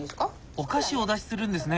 お菓子をお出しするんですね。